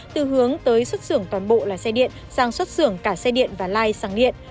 từ hướng tới xuất xưởng toàn bộ là xe điện sang xuất xưởng cả xe điện và lai sang điện